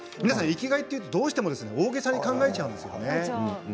皆さん生きがい、どうしても大げさに考えてしまうんですよね。